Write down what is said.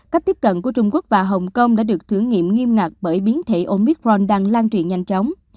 cách tiếp cận của trung quốc và hồng kông đã được thử nghiệm nghiêm ngặt bởi biến thể omicron đang lan truyền nhanh chóng